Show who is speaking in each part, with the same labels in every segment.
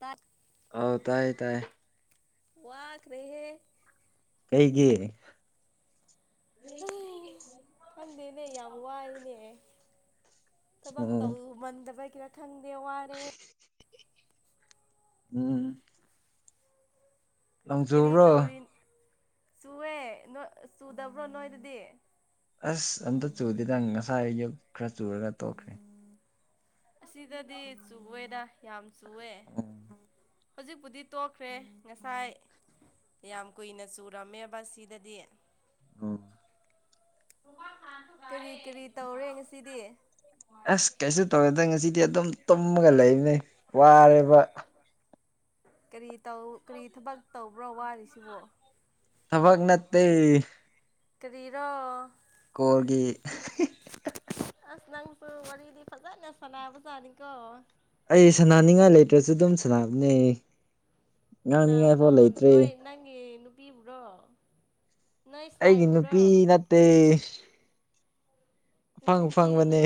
Speaker 1: ꯇꯞ
Speaker 2: ꯑꯥꯎ ꯇꯥꯏ ꯇꯥꯏ
Speaker 1: ꯋꯥ ꯀ ꯔꯦꯍꯦ
Speaker 2: ꯒꯤ
Speaker 1: ꯈꯪꯗꯦꯅꯦ ꯌꯥꯝ ꯋꯥꯏꯅꯦ ꯊꯕꯛ
Speaker 2: ꯎꯝ
Speaker 1: ꯇꯧꯃꯟꯗꯕ꯭ꯔꯥ ꯀꯔ ꯈꯪꯗꯦ ꯋꯥꯔꯦ
Speaker 2: ꯎꯝ ꯂꯪꯖꯕ꯭ꯔꯣ
Speaker 1: ꯆꯨꯋꯦ ꯅ ꯆꯨꯗꯕ꯭ꯔꯣ ꯅꯣꯏꯗꯗꯤ
Speaker 2: ꯑꯁ ꯑꯝꯇ ꯆꯨꯗꯦ ꯅꯪ ꯉꯁꯥꯏ ꯑ ꯌꯨꯛ ꯈꯔ ꯆꯨꯔꯒ ꯇꯣꯛꯈ꯭ꯔꯦ
Speaker 1: ꯑꯁꯤꯗꯗꯤ ꯆꯨꯦꯗ ꯌꯥꯝ ꯆꯨꯋꯦ ꯍꯧꯖꯤꯛꯄꯨꯗꯤ ꯇꯣꯛꯈ꯭ꯔꯦ ꯉꯁꯥꯏ ꯌꯥꯝ ꯀꯨꯏꯅ ꯆꯨꯔꯝꯃꯦ ꯕꯁ ꯁꯤꯗꯗꯤ
Speaker 2: ꯎꯝ
Speaker 1: ꯀꯔꯤ ꯀꯔꯤ ꯇꯧꯔꯦ ꯉꯁꯤꯗꯤ
Speaker 2: ꯇꯧꯋꯦꯗ ꯉꯁꯤꯗꯤ ꯑꯗꯨꯝ ꯇꯨꯝꯃꯒ ꯂꯩꯕꯅꯤ ꯋꯥꯔꯦꯕ
Speaker 1: ꯀꯔꯤ ꯇꯧ ꯀꯔꯤ ꯊꯕꯛ ꯇꯧꯕ꯭ꯔꯣ ꯋꯥꯔꯤꯁꯤꯕꯣ
Speaker 2: ꯊꯕꯒ ꯅꯠꯇꯦ
Speaker 1: ꯀꯔꯤꯔꯣ
Speaker 2: ꯀꯣꯜꯒꯤ
Speaker 1: ꯑꯁ ꯅꯪꯁꯨ ꯋꯥꯔꯤꯗꯤ ꯐꯖꯅ ꯁꯥꯟꯅꯕꯖꯥꯠꯅꯤꯀꯣ
Speaker 2: ꯑꯩ ꯁꯅꯥꯅꯤꯡꯉꯥꯏ ꯂꯩꯇ꯭ꯔꯁꯨ ꯑꯗꯨꯝ ꯁꯅꯥꯕꯅꯦ
Speaker 1: ꯀꯅꯥ ꯎꯅꯣ ꯅꯣꯏ ꯅꯪ ꯕꯤꯕ꯭ꯔꯣ
Speaker 2: ꯑꯩꯒꯤ ꯅꯨꯄꯤ ꯅꯠꯇꯦ ꯑꯐꯪ
Speaker 1: ꯅꯆꯤꯟ ꯊꯤꯒꯅꯨ
Speaker 2: ꯑꯐꯪꯕꯅꯦ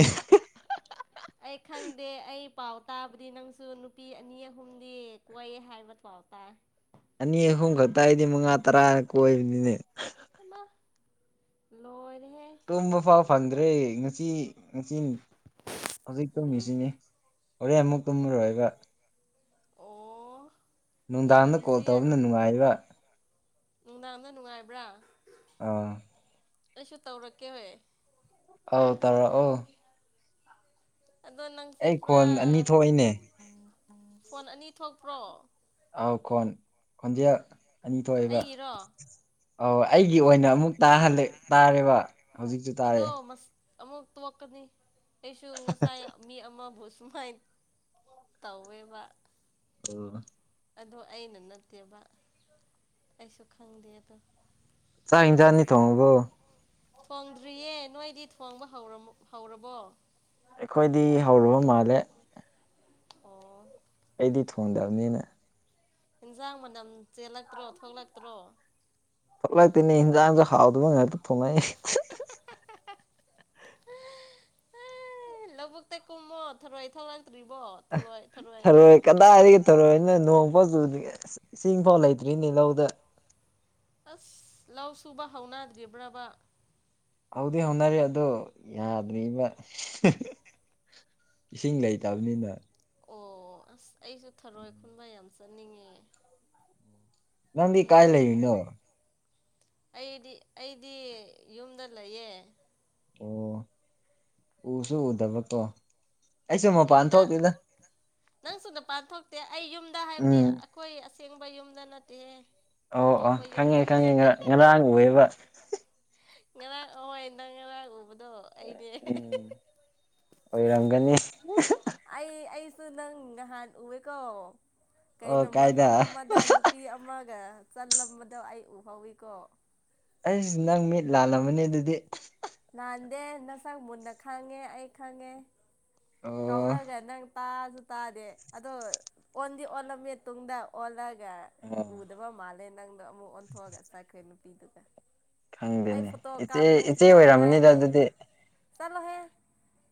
Speaker 1: ꯑꯩ ꯈꯪꯗꯦ ꯑꯩ ꯄꯥꯎ ꯇꯥꯕꯗꯤ ꯅꯪꯁꯨ ꯅꯨꯄꯤ ꯑꯅꯤ ꯑꯍꯨꯝꯗꯤ ꯀꯣꯏ ꯍꯥꯏꯕ ꯄꯥꯎ [inaudible]
Speaker 2: ꯑꯅꯤ ꯑꯍꯨꯝ ꯈꯛꯇ ꯑꯩꯗꯤ ꯃꯉꯥ ꯇꯔꯥꯒ ꯀꯣꯏꯕꯅꯤꯅꯦ
Speaker 1: ꯂꯣꯏꯔꯤ
Speaker 2: ꯇꯨꯝꯕ ꯐꯥꯎ ꯐꯪꯗ꯭ꯔꯦ ꯅꯨꯄꯤ ꯅꯨꯄꯤ ꯍꯧꯖꯤꯛ ꯇꯨꯝꯃꯤꯁꯤꯅꯤ ꯍꯣꯔꯦꯟ ꯑꯃꯨꯛ ꯇꯨꯝꯃꯔꯣꯏ ꯍꯥꯏꯕ
Speaker 1: ꯑꯣ ꯌꯥꯝ
Speaker 2: ꯅꯨꯡꯗꯥꯡꯗ ꯀꯣꯜ
Speaker 1: ꯕꯤꯖꯤ
Speaker 2: ꯇꯧꯕꯅ
Speaker 1: ꯑꯣꯏ
Speaker 2: ꯅꯨꯡꯉꯥꯏꯔꯤꯕ
Speaker 1: ꯕ꯭ꯔ
Speaker 2: ꯑꯥ
Speaker 1: ꯑꯩꯁꯨ ꯇꯧꯔꯛꯀꯦ
Speaker 2: ꯑꯥꯎ ꯇꯧꯔꯑꯣ
Speaker 1: ꯑꯗꯣ ꯅꯪꯁꯦ ꯄꯨꯔꯥ
Speaker 2: ꯈꯣꯟ ꯑꯅꯤ ꯊꯣꯛꯏꯅꯦ
Speaker 1: ꯐꯣꯟ ꯑꯅꯤ ꯊꯣꯛꯄ꯭ꯔꯣ
Speaker 2: ꯑꯥꯎ ꯈꯣꯟ ꯈꯟꯗꯤꯌꯥ
Speaker 1: ꯑꯩꯒꯤꯔꯣ
Speaker 2: ꯑꯣ ꯑꯩꯒꯤ ꯑꯣꯏꯅ ꯑꯃꯨꯛ ꯇꯥꯍꯜ ꯇꯥꯔꯦꯕ ꯍꯧꯖꯤꯛꯁꯨ ꯇꯥꯔꯑꯦ
Speaker 1: ꯑꯃꯛꯇ ꯋꯥꯅꯤ ꯑꯩꯁꯨ ꯉꯁꯥꯏ ꯃꯤ ꯑꯃꯁ ꯁꯨꯃꯥꯏꯅ ꯇꯧꯋꯦꯕ
Speaker 2: ꯑꯣ
Speaker 1: ꯑꯗꯣ ꯑꯩꯅ ꯅꯠꯇꯦꯕ ꯑꯩꯁꯨ ꯈꯪꯗꯦ ꯑꯗꯣ
Speaker 2: ꯆꯥꯛ ꯌꯦꯟꯁꯥꯡꯅꯤ ꯊꯣꯡꯉꯕꯣ
Speaker 1: ꯊꯣꯡꯗ꯭ꯔꯤꯌꯦ ꯅꯣꯏꯗꯤ ꯊꯣꯡꯕ ꯍꯧꯔꯝ ꯍꯧꯔꯕꯣ
Speaker 2: ꯑꯩꯈꯣꯏꯗꯤ ꯍꯧꯔꯕ ꯃꯥꯜꯂꯦ
Speaker 1: [inaudible]
Speaker 2: ꯑꯩꯗꯤ ꯊꯣꯡꯗꯕꯅꯤꯅ
Speaker 1: ꯏꯟꯁꯥꯡ ꯃꯅꯝ ꯆꯦꯜꯂꯛꯇ꯭ꯔꯣ ꯊꯣꯛꯂꯛꯇ꯭ꯔꯣ
Speaker 2: ꯊꫭꯛꯂꯛꯇꯦꯅꯦ ꯍꯤꯟꯖꯥꯡꯁꯨ ꯍꯥꯎꯗꯕ ꯉꯥꯛꯇ ꯊꫭꯡꯉꯥꯑꯦ
Speaker 1: ꯑ ꯂꯕꯛ ꯇ ꯀꯨꯝꯃꯣꯊꯔ ꯑꯩ ꯊ ꯂ
Speaker 2: ꯊꯧꯔꯣꯏ ꯀꯗꯥꯏꯒꯤ ꯊꯧꯔꯣꯏꯅꫭ ꯅꯣꯡ ꯐꯥꯎ ꯆꯨ ꯏꯁꯤꯡ ꯐꯥꯎ ꯂꯩꯇ꯭ꯔꯤꯅꯤ ꯂꯧꯗ
Speaker 1: ꯑꯁ ꯂꯧ ꯁꯨꯕ ꯍꯧꯅꯗ꯭ꯔꯤꯕ꯭ꯔꯕ
Speaker 2: ꯍꯧꯗꯤ ꯍꯧꯅꯔꯤ ꯑꯗꫭ ꯌꯥꯗ꯭ꯔꯤꯕ ꯏꯁꯤꯡ ꯂꯩꯇꯕꯅꯤꯅ
Speaker 1: ꯑꯣ ꯑꯁ ꯑꯩꯁꯨ ꯊꯔꯣꯏ ꯈꯨꯟꯕ ꯌꯥꯝ ꯆꯠꯅꯤꯡꯉꯦ
Speaker 2: ꯅꯗꯤ ꯀꯥꯏ
Speaker 1: ꯅꯣꯡ
Speaker 2: ꯂꯩꯅꯣ
Speaker 1: ꯑꯩꯗꯤ ꯑꯩꯗꯤ ꯌꯨꯝꯗ ꯂꯩꯌꯦ
Speaker 2: ꯑꯣ ꯎꯁꯨ ꯎꯗꯕꯀꯣ ꯑꯩꯁꯨ ꯃꯄꯥꯟ
Speaker 1: ꯌꯨꯝꯗ
Speaker 2: ꯊꯣꯛꯇꯦꯗ
Speaker 1: ꯅꯪꯁꯨꯗ ꯄꯥꯟ ꯊꯣꯛꯇꯦ ꯑꯩ ꯌꯨꯝꯗ ꯍꯥꯏꯕꯗꯤ
Speaker 2: ꯎꯝ
Speaker 1: ꯑꯩꯈꯣꯏ ꯊꯦꯡꯕ ꯌꯨꯝꯗ ꯅꯠꯇꯦꯍꯦ
Speaker 2: ꯑꯣ ꯑꯣ
Speaker 1: ꯑꯇꯣꯞꯄ
Speaker 2: ꯈꯪꯉꯦ
Speaker 1: ꯌꯨꯝꯗꯅꯦ
Speaker 2: ꯈꯪꯉꯦ ꯉꯔꯥꯡ ꯉꯔꯥꯡ ꯑꯣꯏꯕ
Speaker 1: ꯏ ꯑꯣꯟ
Speaker 2: ꯎꯝ ꯑꯣꯏꯔꯝꯒꯅꯤ
Speaker 1: ꯑꯩ ꯑꯩꯁꯨ ꯅꯪ ꯉꯍꯥꯟ ꯎꯑꯦꯀꯣ
Speaker 2: ꯑꯣ
Speaker 1: ꯀꯩꯅꯣ
Speaker 2: ꯀꯥꯏꯗ
Speaker 1: ꯃꯐꯝ ꯑꯃꯗ ꯅꯨꯄꯤ ꯑꯃꯒ ꯆꯜꯂꯝꯕꯗꯣ ꯑꯩ ꯎꯍꯧꯋꯤꯀꯣ
Speaker 2: ꯑꯩꯁꯤ ꯅꯪ ꯃꯤꯠ ꯂꯥꯜꯂꯝꯕꯅꯦ ꯑꯗꯨꯗꯤ
Speaker 1: ꯂꯥꯟꯗꯦ ꯅꯁꯛ ꯃꯨꯟꯅ ꯈꯪꯉꯦ ꯑꯩ ꯈꯪꯉꯦ
Speaker 2: ꯑꯣ
Speaker 1: ꯀꯧꯔꯒ ꯅꯪ ꯇꯥꯁꯨ ꯇꯥꯗꯦ ꯑꯗꯣ ꯑꯣꯟꯗꯤ ꯑꯣꯜꯂꯝꯃꯦ ꯃꯇꯨꯡꯨꯡꯗ ꯑꯣꯜꯂ
Speaker 2: ꯑꯣ
Speaker 1: ꯎꯗꯕ ꯃꯥꯂꯦ ꯅꯪꯗꯣ ꯑꯃ ꯑꯣꯟꯊ ꯍꯒ ꯆꯈꯣꯏ ꯅꯨꯄꯤꯤꯗꯨꯗ
Speaker 2: ꯈꯪꯗꯦꯅꯦ ꯏꯆꯦ ꯏꯆꯦ ꯑꯣꯏꯔꯝꯝꯕꯅꯤꯗ
Speaker 1: ꯉꯥꯏꯔꯦꯍꯦ
Speaker 2: ꯑꯗꯨꯗꯤ
Speaker 1: ꯆꯠꯂꯣꯍꯦ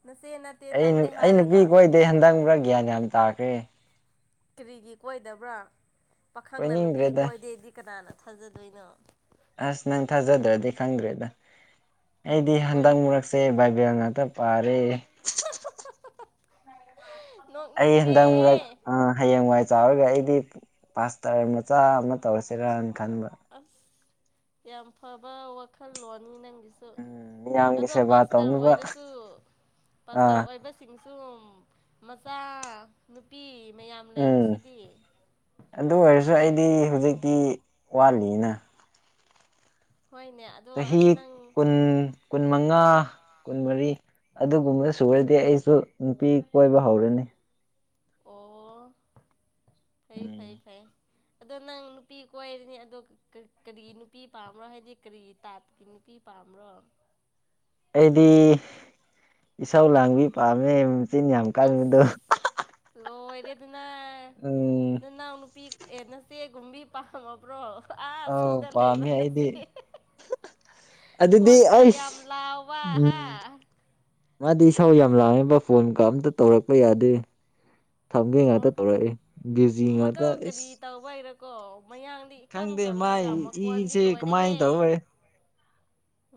Speaker 1: ꯅꯁꯦ ꯅꯠꯇꯦ
Speaker 2: ꯑꯩ
Speaker 1: ꯅꯪꯅꯦ
Speaker 2: ꯑꯩ ꯅꯨꯄꯤ
Speaker 1: ꯍꯥꯏꯔꯒ
Speaker 2: ꯀꯣꯏꯗꯩ ꯍꯟꯗꯪ ꯈ꯭ꯔꯥ ꯒ꯭ꯌꯥꯟ ꯌꯥꯝ ꯇꯥꯈ꯭ꯔꯦ
Speaker 1: ꯀꯔꯤꯒꯤ ꯀꯣꯏꯗꯕ꯭ꯔꯥ ꯄꯥꯈꯪꯅ ꯅꯨꯄꯤꯒꯤ
Speaker 2: ꯀꯣꯏꯅꯤꯡꯗ꯭ꯔꯦꯗ
Speaker 1: ꯀꯣꯏꯗꯦꯗꯤ ꯀꯅꯥꯅꯣ ꯊꯥꯖꯗꯣꯏꯅ
Speaker 2: ꯑꯁ ꯅꯪ ꯊꯥꯖꯗ꯭ꯔꯗꯤ ꯈꯪꯗ꯭ꯔꯦꯗ ꯑꯩꯗꯤ
Speaker 1: ꯀꯔꯤꯒꯤ
Speaker 2: ꯍꯟꯗꯛ
Speaker 1: ꯀꯣꯏꯅꯤ
Speaker 2: ꯃꯔꯨꯔꯛꯁꯦ ꯕꯥꯏꯕꯦꯜ ꯉꯥꯛꯇ ꯄꯥꯔꯦ ꯑꯩ
Speaker 1: ꯅꯣꯛꯅꯤꯡꯉꯦ
Speaker 2: ꯍꯟꯗꯪ ꯃꯨꯔꯛ ꯑ ꯍꯌꯦꯡꯋꯥꯏ ꯆꯥꯎꯔꯒ ꯑꯩꯗꯤ ꯄꯥꯁꯇꯔ ꯃꯆꯥ ꯑꯃ ꯇꯧꯔꯁꯤ ꯔꯅ ꯈꯟꯕ
Speaker 1: ꯑꯁ ꯌꯥꯝ ꯐꯕ ꯋꯥꯈꯜꯂꯣꯟꯅꯤ ꯅꯪ
Speaker 2: ꯎꯝ ꯃꯤꯌꯥꯝꯒꯤ
Speaker 1: ꯑꯣ
Speaker 2: ꯁꯦꯕꯥ
Speaker 1: ꯄꯥꯁꯇꯔ
Speaker 2: ꯇꯧꯅꯕ
Speaker 1: ꯑꯣꯏꯔꯁꯨ ꯄꯥꯁꯇꯔ
Speaker 2: ꯑꯥ
Speaker 1: ꯑꯣꯏꯕꯁꯤꯡ ꯁꯨꯝ ꯃꯆꯥ ꯅꯨꯄꯤ ꯃꯌꯥꯝ ꯂꯩꯔꯤꯁꯤꯗꯤ
Speaker 2: ꯁꯨ ꯑꯩꯗꯤ ꯍꯧꯖꯤꯛꯇꯤ ꯋꯥꯠꯂꯤꯅ
Speaker 1: ꯍꯣꯏꯅꯦ ꯑꯗꯣ ꯑꯁ
Speaker 2: ꯆꯍꯤ
Speaker 1: ꯅꯪ
Speaker 2: ꯀꯨꯟ ꯀꯨꯟ ꯃꯉꯥ ꯀꯨꯟꯃꯔꯤ ꯑꯗꯨꯒꯨꯝꯕ ꯁꯨꯔꯗꯤ ꯑꯩꯁꯨ ꯅꯨꯄꯤ ꯀꯣꯏꯕ ꯍꯧꯔꯅꯤ
Speaker 1: ꯑꯣ ꯐꯩ
Speaker 2: ꯎꯝ
Speaker 1: ꯐꯩ ꯐꯩ ꯑꯗꯣ ꯅꯪ ꯅꯨꯄꯤ ꯀꯣꯏꯔꯅꯤ ꯑꯗꯣ ꯀꯔꯤ ꯅꯨꯄꯤ ꯄꯥꯝꯝꯕꯔꯣ ꯍꯥꯏꯗꯤ ꯀꯔꯤ ꯇꯥꯠꯀꯤ ꯅꯨꯄꯤ ꯄꯥꯣ ꯍ꯭ꯔ
Speaker 2: ꯑꯩꯗꯤ ꯏꯁꯧ ꯂꯥꯡꯕꯤ ꯄꯥꯝꯃꯦ ꯁꯤꯅꯤ ꯌꯥꯝꯝ ꯀꯜꯃꯤꯗꯨ
Speaker 1: ꯂꯣꯏꯔꯦ ꯑꯗꯨꯅ ꯅꯅꯥꯎ ꯅꯨꯄꯤ ꯑꯦ ꯅꯆꯦ ꯒꯨꯝꯕꯤ ꯄꯥꯝꯃꯕ꯭ꯔꯣ ꯑꯥ
Speaker 2: ꯑ
Speaker 1: ꯆꯤꯡꯗ
Speaker 2: ꯄꯥꯝꯃꯦ ꯍꯥꯏꯗꯤ
Speaker 1: ꯀꯣꯟꯒ ꯌꯥꯝ ꯂꯥꯎꯕ ꯍꯥ
Speaker 2: ꯎꯝ ꯃꯥꯗꯤ ꯏꯁꯥꯎ ꯌꯥꯝ ꯂꯥꯡꯉꯦꯕ ꯐꯣꯟꯒ ꯑꯝꯇ ꯇꯧꯔꯛꯄ ꯌꯥꯗꯦ ꯊꯝꯒꯦ ꯉꯥꯛꯇ
Speaker 1: ꯑꯣ
Speaker 2: ꯇꯧꯔꯛꯏꯦ ꯕꯤꯖꯤ
Speaker 1: ꯃꯗꯣ
Speaker 2: ꯉꯥꯛꯇ
Speaker 1: ꯀꯔꯤ
Speaker 2: ꯑꯦꯁ
Speaker 1: ꯇꯧꯕꯩꯔꯀꯣ ꯃꯌꯥꯡꯗꯤ ꯏꯀꯪ ꯀꯪꯉꯒ ꯃꯀꯣꯟꯗꯤ
Speaker 2: ꯏꯁꯦ ꯀꯃꯥꯏꯅ
Speaker 1: ꯂꯣꯏꯔꯦꯍꯦ
Speaker 2: ꯇꯧꯔꯦ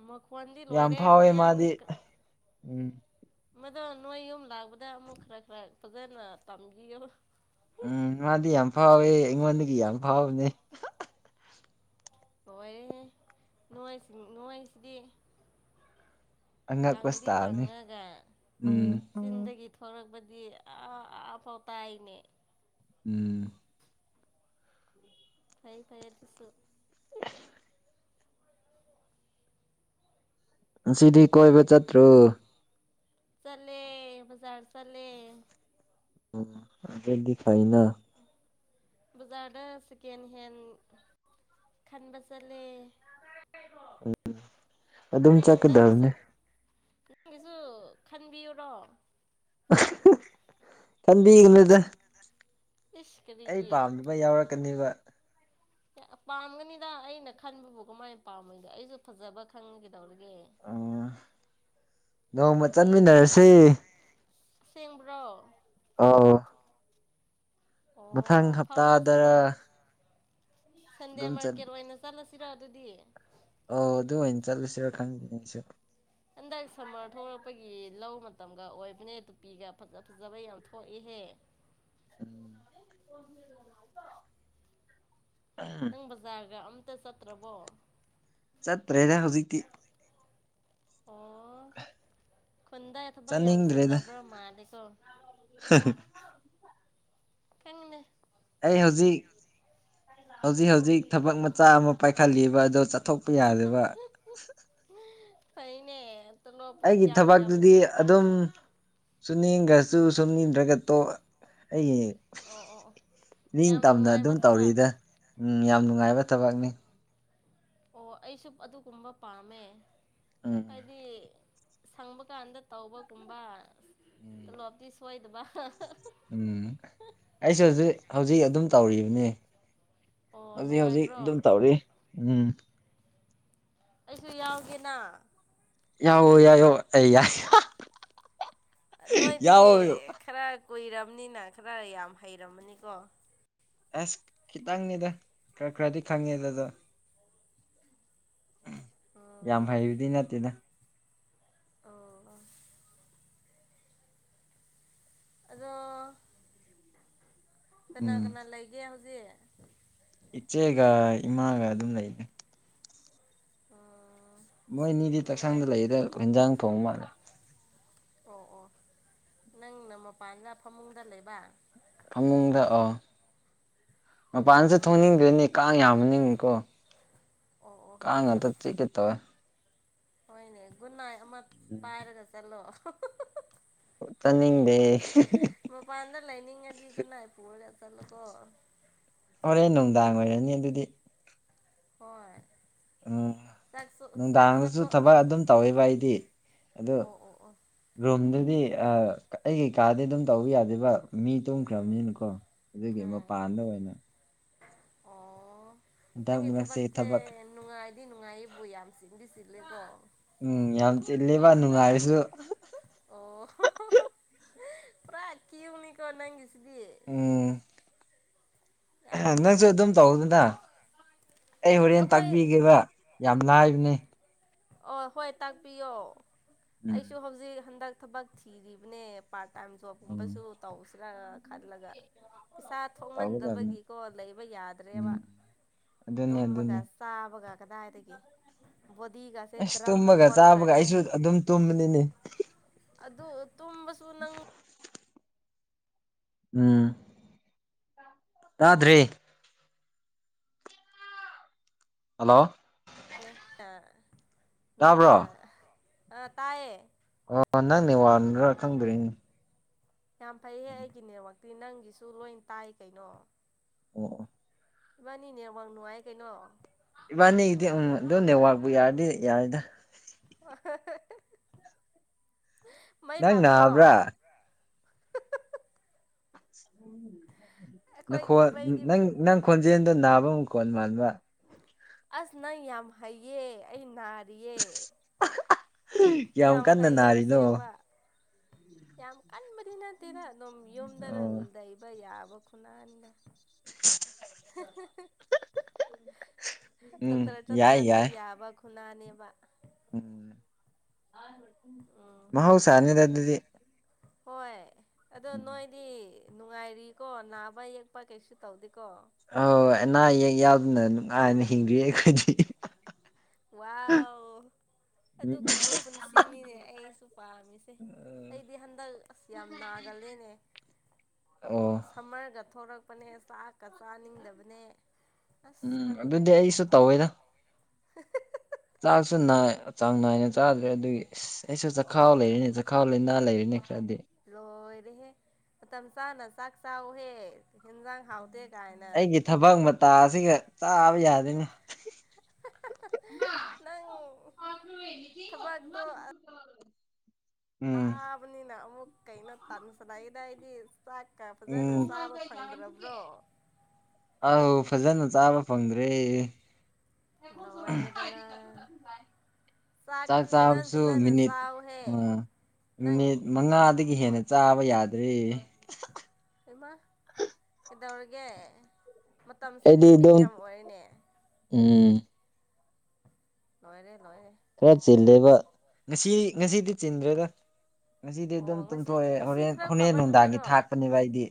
Speaker 1: ꯃꯀꯋꯥꯟꯗꯤ ꯂ
Speaker 2: ꯌꯥꯝ
Speaker 1: ꯑꯣꯏꯔꯦ
Speaker 2: ꯐꯥꯎꯋꯦ
Speaker 1: ꯃꯌꯥꯒꯤ
Speaker 2: ꯃꯥꯗꯤ ꯎꯝ
Speaker 1: ꯃꯗꯣ ꯅꯣꯏ ꯌꯨꯝ ꯂꯥꯛꯄꯗ ꯑꯃꯨꯛ ꯈꯔ ꯈꯔ ꯐꯖꯅ ꯇꯝꯈꯤꯌꯨ
Speaker 2: ꯎꯝ ꯃꯥꯗꯤ ꯌꯥꯝ ꯐꯥꯎꯋꯦ ꯑꯩꯉꯣꯟꯗꯒꯤ ꯌꯥꯝ ꯐꯥꯎꯕꯅꯦ
Speaker 1: ꯍꯣꯏꯦ ꯅ ꯅꯣꯏꯁꯤꯗꯤ
Speaker 2: ꯑꯉꯛꯄ
Speaker 1: ꯀꯪꯗꯤꯤ
Speaker 2: ꯁ꯭ꯇꯥꯏꯜꯅꯤ
Speaker 1: ꯀꯪꯉꯒ
Speaker 2: ꯎꯝ
Speaker 1: ꯒꯤ ꯍꯧꯔꯛꯄꯗꯤ ꯑꯥ ꯑꯥꯐꯥꯎ ꯇꯥꯏꯅꯦ
Speaker 2: ꯎꯝ
Speaker 1: ꯐꯩ ꯐꯔꯦ ꯑꯗꯨꯁꯨ
Speaker 2: ꯁꯤꯤꯗꯤꯤ ꯀꯣꯏꯕ ꯆꯠꯇ꯭ꯔꯨ
Speaker 1: ꯆꯂꯦ ꯖꯔ ꯆꯂꯦ
Speaker 2: ꯎ ꯑꯗꯨꯗꯗꯤ ꯈꯥꯏꯅ
Speaker 1: ꯕꯖꯥꯔꯗ ꯁꯦꯀꯦꯟ ꯍꯦꯟ ꯈꯟꯕꯁꯂꯦ
Speaker 2: ꯎꯝ ꯑꯗꯨꯝ
Speaker 1: ꯅꯪꯒꯤꯁꯨ
Speaker 2: ꯆꯠꯀꯗꯕꯅꯤ
Speaker 1: ꯅꯪꯒꯤꯁꯨ ꯈꯟꯕꯤꯌꯨꯔꯣ
Speaker 2: ꯀꯗꯤꯅꯗ
Speaker 1: ꯏꯁ
Speaker 2: ꯑꯩ
Speaker 1: ꯀꯔꯤꯒꯤ
Speaker 2: ꯄꯥꯝꯗꯨꯕ ꯌꯥꯎꯔꯛꯀꯅꯦꯕ
Speaker 1: ꯄꯥꯝꯒꯅꯤꯗ ꯑꯩꯅ ꯈꯟꯕꯕꯨ ꯀꯃꯥꯏꯅ ꯄꯥꯝꯃꯩꯗꯣ ꯑꯩꯁꯨ ꯐꯖꯕ ꯈꯪꯒꯗꯧꯔꯒꯦ
Speaker 2: ꯎꯝ ꯅꯣꯡꯃ ꯆꯠꯃꯤꯟꯅꯔꯁꯤ
Speaker 1: ꯁꯦꯡꯕ꯭ꯔꯣ
Speaker 2: ꯑꯥ ꯃꯊꯪ
Speaker 1: ꯑꯣ
Speaker 2: ꯍꯞꯇꯥꯗ
Speaker 1: ꯁꯟꯗꯌꯥ ꯃꯥ ꯀꯦꯔꯣꯏꯅ ꯆꯠꯂꯁꯤꯔꯣ ꯑꯗꯨꯗꯤ
Speaker 2: ꯑ ꯑꯗꯨ ꯑꯣꯏꯅ ꯆꯠꯂꯨꯁꯤꯔ ꯈꯪꯗꯅꯤꯁꯨ
Speaker 1: ꯑꯟꯗꯥꯏꯁꯃꯣꯄꯒꯤ ꯂꯧ ꯃꯇꯝꯒ ꯑꯣꯏꯕꯅꯦ ꯇꯨꯄꯤꯒ ꯐꯖꯕ ꯌꯥꯝ ꯊꯣꯛꯏꯍꯦ
Speaker 2: ꯎꯝ
Speaker 1: ꯅꯪ ꯕꯖꯥꯔꯒ ꯑꯝꯇ ꯆꯠꯇ꯭ꯔꯕꯣ
Speaker 2: ꯆꯠꯇ꯭ꯔꯦꯅꯦ ꯍꯧꯖꯤꯛꯇꯤ
Speaker 1: ꯑꯣ ꯈꯨꯟꯗꯥꯏ ꯊꯕꯛ ꯌꯥꯝ
Speaker 2: ꯆꯠꯅꯤꯡꯗ꯭ꯔꯦꯗ
Speaker 1: ꯆꯤꯜꯂꯕ꯭ꯔꯥ ꯃꯥꯜꯂꯦꯀꯣ ꯐꯪꯅꯦ
Speaker 2: ꯑꯩ ꯍꯧꯖꯤꯛ ꯍꯧꯖꯤꯛ ꯍꯧꯖꯤꯛ ꯊꯕꯛ ꯃꯆꯥ ꯑꯃ ꯄꯥꯏꯈꯠꯂꯤꯕ ꯑꯗꯣ ꯆꯠꯊꯣꯛꯄ ꯌꯥꯗꯦꯕ
Speaker 1: ꯑꯅꯦ
Speaker 2: ꯑꯩꯒꯤ ꯊꯕꯛꯇꯨꯗꯤ ꯑꯗꯨꯝ ꯁꯨꯝ ꯅꯤꯡꯈ꯭ꯔꯁꯨ ꯁꯨꯝ ꯅꯤꯡꯅꯤꯗ꯭ꯔꯒ ꯇꯣ ꯑꯩꯒꯤ
Speaker 1: ꯑꯣ ꯑꯣ ꯑꯣ ꯌꯥꯝ
Speaker 2: ꯅꯤꯡꯇꯝꯅ ꯑꯗꯨꯝ
Speaker 1: ꯅꯨꯡꯉꯥꯏꯕ ꯊꯕꯛ
Speaker 2: ꯇꯧꯔꯤꯗ ꯎꯝ ꯌꯥꯝ ꯅꯨꯡꯉꯥꯏꯕ ꯊꯕꯛꯅꯤ
Speaker 1: ꯑꯣ ꯑꯩꯁꯨ ꯑꯗꯨꯒꯨꯝꯕ ꯄꯥꯝꯃꯦ
Speaker 2: ꯎꯝ
Speaker 1: ꯍꯥꯏꯗꯤ ꯁꯪꯕ ꯀꯥꯟꯗ ꯇꯧꯕꯒꯨꯝꯕ ꯇꯂꯣꯞꯇꯤ ꯁꯣꯏꯗꯕ
Speaker 2: ꯎꯝ ꯑꯩꯁꯨ ꯍꯧꯖꯤꯛ ꯍꯧꯖꯤꯛ ꯑꯗꯨꯝ ꯇꯧꯔꯤꯕꯅꯤ
Speaker 1: ꯑꯣ
Speaker 2: ꯍꯧꯖꯤꯛ ꯍꯧꯖꯤꯛ
Speaker 1: ꯅꯨꯡꯉꯥꯏꯕ꯭ꯔꯣ
Speaker 2: ꯑꯗꯨꯝ ꯇꯧꯔꯤ ꯎꯝ
Speaker 1: ꯑꯩꯁꯨ ꯌꯥꯎꯒꯦꯅ
Speaker 2: ꯌꯥ ꯌꯥꯏꯣ ꯑꯩ ꯌꯥꯏ
Speaker 1: ꯅꯣꯏꯗꯤ
Speaker 2: ꯌꯥꯎꯋꯣ
Speaker 1: ꯈꯔ ꯀꯨꯏꯔꯕꯅꯤꯅ ꯈꯔ ꯌꯥꯝ ꯍꯩꯔꯝꯃꯅꯤꯀꯣ
Speaker 2: ꯑꯁ ꯈꯤꯇꯪꯅꯤꯗ ꯈꯔ ꯈꯔꯗꯤ ꯈꯪꯉꯦ ꯑꯗꯨꯗ ꯌꯥꯝ
Speaker 1: ꯑꯣ
Speaker 2: ꯍꯩꯕꯗꯤ ꯅꯠꯇꯦꯗ
Speaker 1: ꯑꯣ ꯑꯗꯣ ꯀꯅꯥ
Speaker 2: ꯎꯝ
Speaker 1: ꯀꯅꯥ ꯂꯩꯒꯦ ꯍꯧꯖꯤꯛ
Speaker 2: ꯏꯆꯦꯒ ꯏꯃꯥꯒ ꯑꯗꯨꯝ ꯂꯩꯅꯤ
Speaker 1: ꯑꯣ
Speaker 2: ꯃꯣꯏ ꯅꯤꯗꯤ
Speaker 1: ꯅꯨꯡꯉꯥꯏ
Speaker 2: ꯆꯥꯛꯁꯥꯡꯗ ꯂꯩꯗ ꯍꯟꯖꯥꯡ ꯊꯣꯡ ꯃꯥꯜꯂꯦ
Speaker 1: ꯑꯣ ꯑꯣ ꯅꯪꯅ ꯃꯄꯥꯟꯗ ꯐꯃꯨꯡꯗ ꯂꯩꯕ
Speaker 2: ꯐꯃꯨꯡꯗꯥꯛ ꯑꯣ
Speaker 1: ꯑꯣ
Speaker 2: ꯃꯄꯥꯟꯁꯦ
Speaker 1: ꯑꯣ
Speaker 2: ꯊꯣꯡꯅꯤꯡꯗ꯭ꯔꯅꯦ ꯀꯥꯡ ꯌꯥꯝꯃꯅꯤꯡꯉꯤꯀꯣ
Speaker 1: ꯑꯣ ꯑꯣ ꯍꯧꯖꯤꯛ
Speaker 2: ꯀꯉꯇ
Speaker 1: ꯑꯁ
Speaker 2: ꯆꯤ ꯀꯦ ꯇꯧꯋꯦ
Speaker 1: ꯍꯣꯏꯅꯦ ꯒꯨꯅꯥꯏ ꯑꯃ ꯄꯥꯏꯔꯒ ꯆꯠꯂꯣ
Speaker 2: ꯆꯅꯤꯡꯗꯦ
Speaker 1: ꯂꯥꯏꯅꯤꯡꯗꯤ ꯀꯅ ꯄꯨꯔ ꯆꯂ ꯀꯣ
Speaker 2: ꯍꯣꯔꯦꯟ ꯅꯨꯡꯗꯥꯡ ꯑꯣꯏꯔꯅꯤ ꯑꯗꯨꯗꯤ
Speaker 1: ꯍꯣꯏ
Speaker 2: ꯎꯝ
Speaker 1: ꯆꯥꯛ ꯆꯥꯛ
Speaker 2: ꯅꯨꯡꯗꯥꯡꯗꯁꯨ
Speaker 1: ꯆꯥꯊꯣꯛ
Speaker 2: ꯊꯕꯛ ꯑꯗꯨꯝ ꯇꯧꯋꯦꯕ ꯑꯩꯗꯤ ꯑꯗꯨ
Speaker 1: ꯑꯣ ꯑꯣ ꯑꯣ
Speaker 2: ꯔꯣꯝꯗꯗꯤ ꯑ ꯑꯩ ꯀꯩꯀꯥꯗꯤ ꯑꯗꯨꯝ ꯇꯧꯕ ꯌꯥꯗꯦꯕ ꯃꯤ
Speaker 1: ꯎꯝ
Speaker 2: ꯇꯨꯝꯈ꯭ꯔꯕꯅꯤꯅꯀꯣ ꯑꯗꯨꯒꯤ
Speaker 1: ꯎꯝ
Speaker 2: ꯃꯄꯥꯟꯗ ꯑꯣꯏꯅ
Speaker 1: ꯑꯣ
Speaker 2: ꯍꯟꯗꯛ
Speaker 1: ꯅꯪꯒꯤ
Speaker 2: ꯃꯔꯛꯁꯦ
Speaker 1: ꯊꯕꯛꯁꯦ
Speaker 2: ꯊꯕꯛ
Speaker 1: ꯅꯨꯡꯉꯥꯏꯗꯤ ꯅꯨꯡꯉꯥꯏꯕꯨ ꯌꯥꯝ ꯁꯤꯟꯗꯤ ꯁꯤꯜꯂꯦꯀꯣ
Speaker 2: ꯎꯝ ꯌꯥꯝ ꯆꯤꯂꯦꯕ ꯅꯨꯡꯉꯥꯏꯔꯁꯨ
Speaker 1: ꯑꯣ ꯄꯨꯔꯥ ꯀ ꯎꯅꯤ ꯀ ꯅꯁꯤ
Speaker 2: ꯎꯝ
Speaker 1: ꯌꯥꯝ
Speaker 2: ꯅꯪꯁꯨ ꯑꯗꯨꯝ ꯇꯧꯗꯅ ꯑꯩ ꯍꯣꯔꯦꯟ
Speaker 1: ꯑꯩꯈꯣꯏ
Speaker 2: ꯇꯥꯛꯄꯤꯒꯦꯕ ꯌꯥꯝ ꯂꯥꯏꯕꯅꯦ
Speaker 1: ꯑꯣ ꯍꯣꯏ ꯇꯥꯛꯄꯤꯌꯣ
Speaker 2: ꯎꯝ
Speaker 1: ꯑꯩꯁꯨ ꯍꯧꯖꯤꯛ ꯍꯟꯗꯛ ꯊꯕꯛ ꯊꯤꯔꯤꯕꯅꯦ ꯄꯥꯔꯠ ꯇꯥꯏꯝ
Speaker 2: ꯎꯝ
Speaker 1: ꯖꯣꯕꯀꯨꯝꯕꯁꯨ ꯇꯧꯁꯤꯔꯥ ꯈꯜꯂꯒ ꯄꯩꯁꯥ
Speaker 2: ꯇꯧꯒꯗꯕꯅꯤ
Speaker 1: ꯊꯣꯛꯃꯟꯗꯕꯒꯤꯀꯣ ꯂꯩꯕ ꯌꯥꯗ꯭ꯔꯦꯕ
Speaker 2: ꯎꯝ ꯑꯗꯨꯅꯤ
Speaker 1: ꯇꯨꯝꯃꯒ
Speaker 2: ꯑꯗꯨꯅꯤ
Speaker 1: ꯆꯥꯕꯒ ꯀꯗꯥꯏꯗꯒꯤ ꯕꯣꯗꯤ
Speaker 2: ꯑꯁ ꯇꯨꯝꯃꯒ ꯆꯥꯕꯒ ꯑꯩꯁꯨ ꯑꯗꯨꯝ ꯇꯨꯝꯕꯅꯤꯅꯦ
Speaker 1: ꯑꯗꯨ ꯇꯨꯝꯕꯁꯨ ꯅꯪ
Speaker 2: ꯎꯝ [inaudible] ꯌꯥꯗ꯭ꯔꯔꯤ ꯍꯜꯂꯣ
Speaker 1: ꯦ
Speaker 2: ꯇꯥꯕ꯭ꯔꯣ
Speaker 1: ꯅꯣꯏꯅ ꯑ ꯇꯌꯦ [inaudible] [unintelligible]
Speaker 2: ꯑ ꯅꯪꯅꯦ ꯋꯥ꯭ꯔꯥ ꯈꯪꯗ꯭ꯔꯤꯅꯦ
Speaker 1: ꯌꯥꯝ ꯐꯩꯍꯦ ꯑꯩꯒꯤ ꯅꯠꯃꯛꯇꯤ ꯅꯪꯒꯤꯁꯨ ꯂꯣꯏ ꯇꯥꯏ ꯀꯩꯅꯣ
Speaker 2: ꯑꯣ [inaudible] [unintelligible]
Speaker 1: ꯏꯕꯥꯅꯤꯅꯦ ꯑꯋꯥꯡ ꯅꯨꯡꯉꯥꯏ ꯀꯩꯅꯣ
Speaker 2: ꯏꯕꯥꯅꯤꯗꯤ ꯎꯝ ꯑꯗꯨꯝ ꯅꯦꯠꯋꯥꯛꯄꯨ ꯌꯥꯔꯗꯤ ꯌꯥꯔꯗ
Speaker 1: ꯃꯩ
Speaker 2: ꯅꯥꯏꯅ
Speaker 1: ꯂꯥꯛꯄ꯭ꯔꯣ
Speaker 2: ꯑꯃ꯭ꯔ
Speaker 1: ꯑꯩꯈꯣꯏꯗꯤ
Speaker 2: ꯣꯟ
Speaker 1: ꯃꯩꯗꯤ
Speaker 2: ꯅꯪ ꯅꯪ ꯈꯣꯟꯖꯦꯜꯗꯣ ꯅꯥꯕ ꯑꯃꯨꯛ ꯀꯣꯟ ꯃꯥꯟꯕ
Speaker 1: ꯑꯁ ꯅꯪ ꯌꯥꯝ ꯍꯩꯌꯦ ꯑꯩ ꯅꯥꯔꯤꯌꯦ
Speaker 2: ꯀꯌꯥꯝ
Speaker 1: ꯌꯥꯝ
Speaker 2: ꯀꯟꯅ
Speaker 1: ꯍꯩꯌꯦ
Speaker 2: ꯅꯥꯔꯤꯅꯣ
Speaker 1: ꯑꯁꯦꯡꯕ ꯌꯥꯝ ꯀꯟꯕꯗꯤ ꯅꯠꯇꯦꯔ ꯑꯗꯨꯝ ꯌꯨꯝꯗ
Speaker 2: ꯑꯣ
Speaker 1: ꯂꯩꯕ ꯌꯥꯕ ꯈꯨꯅꯗ
Speaker 2: ꯎꯝ
Speaker 1: ꯗꯣꯛꯇꯔ
Speaker 2: ꯌꯥꯏ
Speaker 1: ꯆꯠꯇ꯭ꯔꯁꯨ
Speaker 2: ꯌꯥꯏ
Speaker 1: ꯌꯥꯕ ꯈꯨꯅꯥꯅꯦꯕ
Speaker 2: ꯎꯝ
Speaker 1: ꯎꯝ
Speaker 2: ꯃꯍ ꯍꯥꯎꯁꯥꯅꯤꯗ ꯑꯗꯨꯗꯤ
Speaker 1: ꯍꯣꯏ ꯑꯗꯣ ꯅꯣꯏꯗꯤ ꯅꯨꯡꯉꯥꯏꯔꯤꯀꯣ ꯅꯥꯕ ꯌꯦꯛꯄ ꯀꯩꯁꯨ ꯇꯧꯗꯦꯀꯣ
Speaker 2: ꯑ ꯑꯅꯥ ꯑꯌꯦꯛ ꯌꯥꯎꯗꯅ ꯅꯨꯡꯉꯥꯏꯅ ꯍꯤꯡꯗ ꯑꯩꯈꯣꯏꯗꯤ
Speaker 1: ꯋꯥꯎ ꯑꯗꯨꯒꯨꯝꯕ ꯄꯨꯟꯁꯤꯅꯤꯅꯦ ꯑꯩꯁꯨ ꯄꯥꯝꯃꯤꯁꯦ ꯑꯩꯗꯤ ꯍꯟꯗꯛ ꯑꯁ ꯌꯥꯝ ꯅꯥꯒꯂꯦꯅꯦ
Speaker 2: ꯑꯣ
Speaker 1: ꯁꯝꯃꯔꯒ ꯊꯛꯄ ꯊꯛꯄꯅꯦ ꯆꯥꯛꯀ ꯆꯥꯅꯤꯡꯗꯕꯅꯦ ꯑꯁ
Speaker 2: ꯎꯝ
Speaker 1: ꯈꯪꯉꯨꯔꯦ
Speaker 2: ꯑꯗꯨꯗꯤ ꯑꯩꯁꯨ ꯇꯧꯋꯦꯗ
Speaker 1: [unintelligible] [inaudible]
Speaker 2: ꯆꯥꯛꯁꯨ ꯅꯥ ꯆꯥꯡ ꯅꯥꯏꯅ ꯆꯥꯗ꯭ꯔꯦ ꯑꯗꯨꯒꯤ ꯑꯁ ꯑꯩꯁꯨ
Speaker 1: ꯑꯣ
Speaker 2: ꯆꯈꯥꯎ ꯂꯩꯔꯤꯅꯦ ꯆꯈꯥꯎ ꯂꯩ ꯅꯥ ꯂꯩꯔꯤꯅꯦ ꯈꯔꯗꯤ
Speaker 1: ꯂꯣꯏꯔꯦꯍꯦ ꯃꯇꯝ ꯆꯥꯅ ꯆꯥꯛ ꯆꯍꯦ ꯍꯦꯟꯖꯥꯡ ꯍꯥꯎꯗꯦ
Speaker 2: ꯑꯩꯒꯤ ꯊꯕꯛ ꯃꯇꯥ ꯑꯁꯤꯒ ꯆꯥꯕ ꯌꯥꯗꯣꯏꯅꯤ
Speaker 1: ꯅꯪ
Speaker 2: ꯎꯝ
Speaker 1: ꯇꯥꯕꯅꯤꯅ ꯑꯃꯨꯛ ꯀꯩꯅꯣ ꯇꯟꯁꯅꯏꯗꯥꯏꯗꯤ
Speaker 2: ꯎꯝ ꯑ [inaudible] ꯐꯖꯅ ꯆꯥꯕ ꯐꯪꯗ꯭ꯔꯦ ꯆꯥꯛ
Speaker 1: ꯁꯥꯥꯛꯇꯤ ꯐꯖꯟ
Speaker 2: ꯆꯥꯕꯁꯨ
Speaker 1: ꯐꯖꯟ
Speaker 2: ꯃꯤꯅꯤꯠ
Speaker 1: ꯁꯥꯥꯎ ꯍꯦ
Speaker 2: ꯑ ꯃꯤꯅꯤꯠ ꯃꯉꯥꯗꯒꯤ ꯍꯦꯟꯅ ꯆꯥꯕ ꯌꯥꯗ꯭ꯔꯦ
Speaker 1: ꯑꯃ ꯀꯗꯧꯔꯒꯦ ꯃꯇꯝꯁꯦ
Speaker 2: ꯑꯩꯗꯤ
Speaker 1: ꯂꯤꯃꯤꯠ
Speaker 2: ꯑꯗꯨꯝ
Speaker 1: ꯌꯥꯝ ꯑꯣꯏꯔꯦꯅꯦ
Speaker 2: ꯎꯝ
Speaker 1: ꯋꯥꯅꯦ
Speaker 2: ꯈꯔ ꯆꯤꯜꯂꯦꯕ ꯉꯁꯤꯗꯤ ꯉꯁꯤꯗꯤ ꯆꯤꯟꯗ꯭ꯔꯦꯗ ꯉꯁꯤꯗꯤ ꯑꯗꯨꯝ
Speaker 1: ꯑꯣ ꯉꯁꯤ
Speaker 2: ꯇꯨꯝꯊꯣꯛꯑꯦ
Speaker 1: ꯉꯁꯤ
Speaker 2: ꯍꯣꯔꯦꯟ
Speaker 1: ꯈꯔ
Speaker 2: ꯍꯣꯔꯦꯟ
Speaker 1: ꯐꯕ
Speaker 2: ꯅꯨꯡꯗꯥꯡꯒꯤ
Speaker 1: ꯅꯨꯃꯤꯠꯔꯣ
Speaker 2: ꯊꯥꯛꯄꯅꯦꯕ ꯑꯩꯗꯤ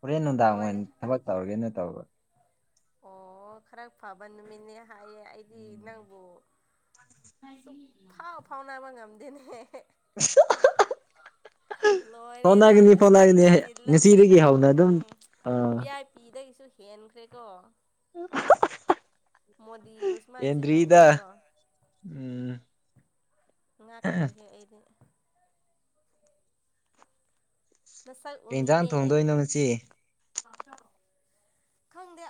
Speaker 2: ꯍꯣꯔꯦꯟ ꯅꯨꯡꯗꯥꯡ
Speaker 1: ꯂꯣꯏꯔꯦ
Speaker 2: ꯑꯣꯏꯅ ꯊꯕꯛ ꯇꯧꯔꯒꯦꯅ ꯇꯧꯕ
Speaker 1: ꯑꯣ ꯈꯔ ꯐꯕ ꯅꯨꯃꯤꯠꯅꯦ ꯍꯥꯏꯌꯦ ꯑꯩꯗꯤ ꯅꯪꯕꯨ
Speaker 2: ꯍꯥꯏ
Speaker 1: ꯅꯥꯕ ꯉꯝꯗꯦꯅꯦ
Speaker 2: [inaudible]
Speaker 1: ꯂꯣꯏꯔꯦ ꯅꯪ
Speaker 2: ꯐꯥꯎꯅꯒꯅꯤ ꯐꯥꯎꯅꯒꯅꯤ
Speaker 1: ꯑꯁꯤꯗꯒꯤ ꯆꯤꯜꯂꯗꯤ
Speaker 2: ꯉꯁꯤꯗꯒꯤ
Speaker 1: ꯅꯪ
Speaker 2: ꯍꯧꯅ ꯑꯗꯨꯝ
Speaker 1: ꯎꯝ
Speaker 2: ꯑꯥ
Speaker 1: ꯕꯤ ꯑꯥꯏ ꯄꯤꯗꯒꯤꯁꯨ ꯍꯦꯟꯈ꯭ꯔꯦꯀꯣ ꯃꯣꯗꯤꯕꯨ
Speaker 2: ꯎ
Speaker 1: ꯁꯨꯃꯥꯏꯅ
Speaker 2: ꯑꯦꯟꯔꯤ
Speaker 1: ꯆꯤꯜꯂꯝꯒꯗ꯭ꯔꯣ
Speaker 2: ꯎꯝ
Speaker 1: ꯉ ꯀ꯭ꯔꯦꯦ ꯑꯩꯗꯤ ꯅꯁꯛ
Speaker 2: ꯟꯖꯥꯡ
Speaker 1: ꯎꯅꯤꯡꯉꯦ
Speaker 2: ꯊꯣꯡꯗꯣꯏꯅꯣ ꯅꯁꯤ
Speaker 1: ꯈꯪꯗ